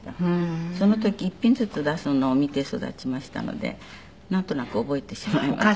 その時一品ずつ出すのを見て育ちましたのでなんとなく覚えてしまいました。